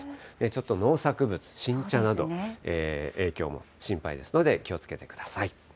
ちょっと農作物、新茶など、影響も心配ですので気をつけてください。